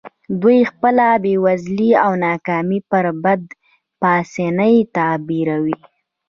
دوی خپله بېوزلي او ناکامي پر بد چانسۍ تعبیروي